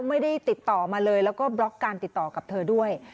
ไม่ได้ติดต่อมาเลยแล้วก็บล็อกการติดต่อกับเธอด้วย